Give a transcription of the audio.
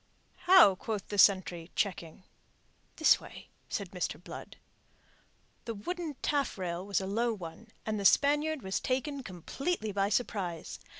"How?" quoth the sentry, checking. "This way," said Mr. Blood. The wooden taffrail was a low one, and the Spaniard was taken completely by surprise.